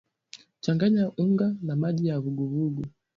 Changanya unga na maji ya uvuguvugu